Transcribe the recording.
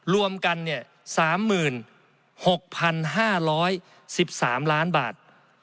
รวมกัน๓๖๕๑๓ล้านบาท